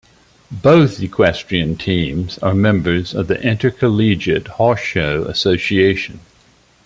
Both equestrian teams are members of the Intercollegiate Horse Show Association.